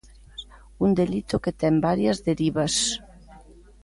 Un delito que ten varias derivas.